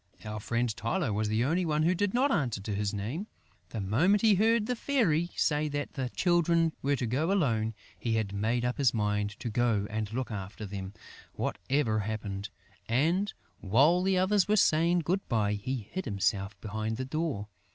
Our friend Tylô was the only one who did not answer to his name. The moment he heard the Fairy say that the Children were to go alone, he had made up his mind to go and look after them, whatever happened; and, while the others were saying good bye, he hid behind the door.